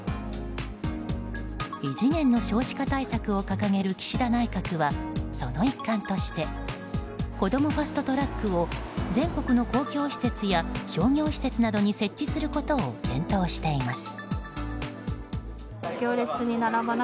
異次元の少子化対策を掲げる岸田内閣はその一環としてこどもファスト・トラックを全国の公共施設や商業施設などに設置することを検討しています。